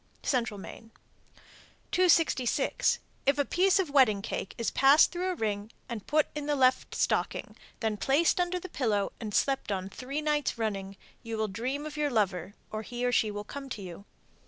Central Maine. 266. If a piece of wedding cake is passed through a ring and put in the left stocking, then placed under the pillow and slept on three nights running, you will dream of your lover, or he or she will come to you.